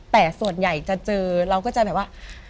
แต่ส่วนใหญ่จะเจอเนี้ยแล้วแบบอะ